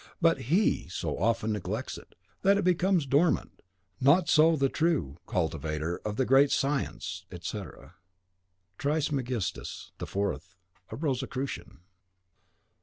But HE so often neglects it, that it becomes dormant. Not so the true cultivator of the Great Science, etc. Trismegistus the Fourth (a Rosicrucian).